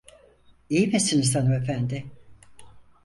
İyi misiniz hanımefendi?